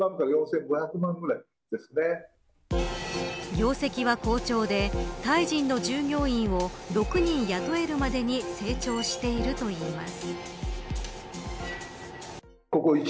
業績は好調でタイ人の従業員を６人雇えるまでに成長しているといいます。